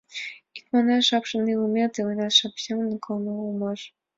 Икманаш, шапшак илышым иленат — шапшак семынак колынет улмаш.